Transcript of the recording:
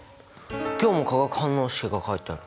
今日も化学反応式が書いてある。